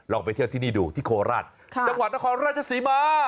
ไปเที่ยวที่นี่ดูที่โคราชจังหวัดนครราชศรีมา